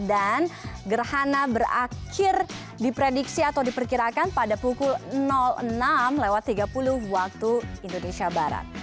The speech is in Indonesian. dan gerhana berakhir di prediksi atau diperkirakan pada pukul enam lewat tiga puluh waktu indonesia barat